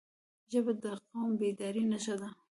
ژبه د قوم بیدارۍ نښه ده